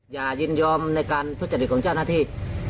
ยินยอมในการทุจริตของเจ้าหน้าที่